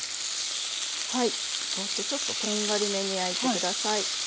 こうしてちょっとこんがりめに焼いて下さい。